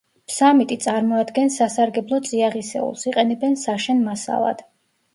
ფსამიტი წარმოადგენს სასარგებლო წიაღისეულს, იყენებენ საშენ მასალად.